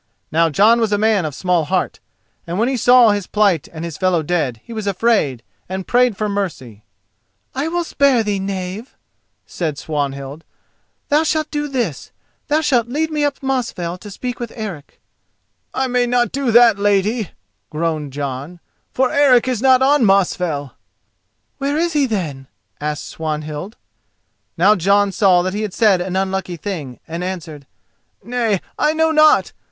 Now Jon was a man of small heart, and when he saw his plight and his fellow dead he was afraid, and prayed for mercy. "If I spare thee, knave," said Swanhild, "thou shalt do this: thou shalt lead me up Mosfell to speak with Eric." "I may not do that, lady," groaned Jon; "for Eric is not on Mosfell." "Where is he, then?" asked Swanhild. Now Jon saw that he had said an unlucky thing, and answered: "Nay, I know not.